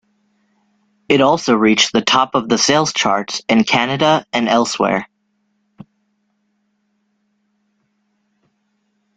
It also reached the top of the sales charts in Canada and elsewhere.